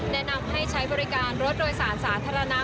แนะนำให้ใช้บริการรถโดยสารสาธารณะ